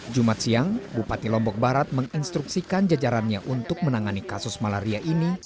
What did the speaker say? jumat siang bupati lombok barat menginstruksikan jajarannya untuk menangani kasus malaria ini